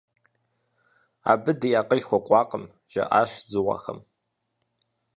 Абы ди акъыл хуэкӀуакъым, - жаӀащ дзыгъуэхэм.